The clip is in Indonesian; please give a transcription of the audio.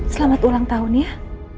selamat ulang tahun ya